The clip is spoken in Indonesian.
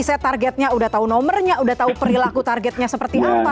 udah reset targetnya udah tahu nomernya udah tahu perilaku targetnya seperti apa